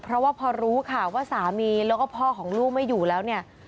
เพราะว่าพอรู้ข่าวว่าสามีแล้วก็พ่อของลูกไม่อยู่แล้วเนี่ย